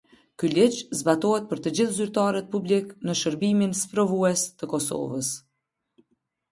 Ky ligj zbatohet për të gjithë zyrtarët publik në Shërbimin Sprovues të Kosovës.